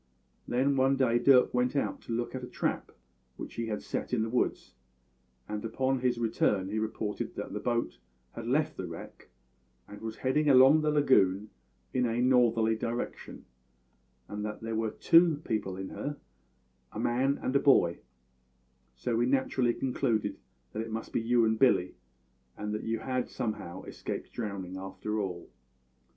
Then one day Dirk went out to look at a trap which he had set in the woods, and upon his return he reported that the boat had left the wreck and was heading along the lagoon in a northerly direction, and that there were two people in her a man and a boy; so we naturally concluded that it must be you and Billy, and that you had somehow escaped drowning after all."